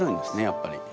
やっぱり。